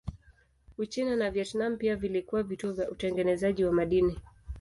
Uchina na Vietnam pia vilikuwa vituo vya utengenezaji wa madini.